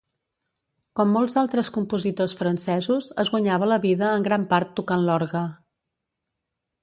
Com molts altres compositors francesos, es guanyava la vida en gran part tocant l'orgue.